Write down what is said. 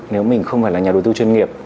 nếu mình không phải là nhà đầu tư chuyên nghiệp